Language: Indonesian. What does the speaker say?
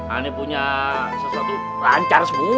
ini punya sesuatu rancar semua